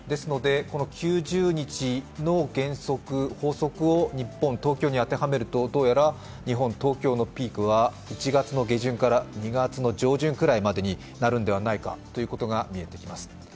この９０日の原則、法則を日本、東京に当てはめるとどうやら日本、東京のピークは１月の下旬から２月の上旬ぐらいになるんじゃないかということが見えてきます。